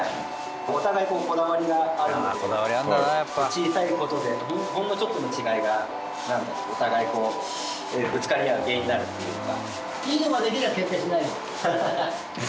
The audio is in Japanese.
小さい事でほんのちょっとの違いがお互いこうぶつかり合う原因になるっていうか。